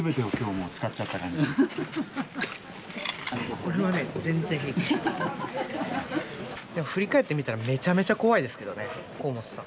俺はね振り返ってみたらめちゃめちゃ怖いですけどね甲本さん。